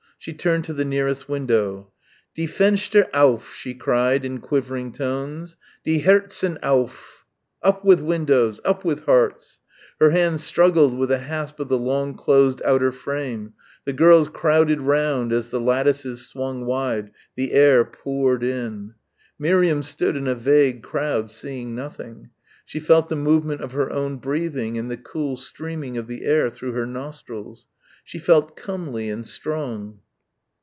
She turned to the nearest window. "Die Fenster auf!" she cried, in quivering tones, "Die Herzen auf!" "Up with windows! Up with hearts!" Her hands struggled with the hasp of the long closed outer frame. The girls crowded round as the lattices swung wide. The air poured in. Miriam stood in a vague crowd seeing nothing. She felt the movement of her own breathing and the cool streaming of the air through her nostrils. She felt comely and strong.